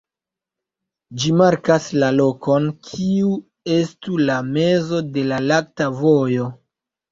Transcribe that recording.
Ĝi markas la lokon kiu estu la mezo de la Lakta Vojo.